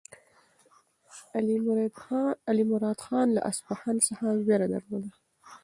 علیمردان خان له اصفهان څخه وېره درلوده.